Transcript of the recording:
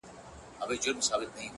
• پر شنو ونو له پرواز څخه محروم سو ,